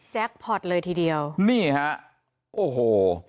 พอร์ตเลยทีเดียวนี่ฮะโอ้โห